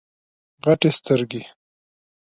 غټي سترګي